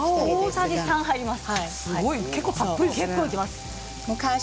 大さじ３入れます。